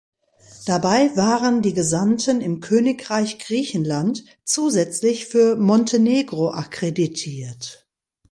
Dabei waren die Gesandten im Königreich Griechenland zusätzlich für Montenegro akkreditiert.